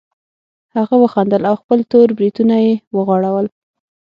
هغه وخندل او خپل تور بریتونه یې وغوړول